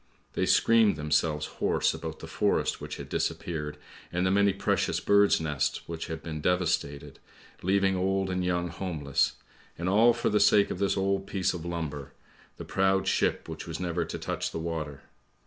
They screamed themselves hoarse about the forest which had disappeared, and the many precious birds' nests which had been devastated, leaving old and young homeless; and all for the sake of this old piece of lumber, the proud ship which was never to touch the water!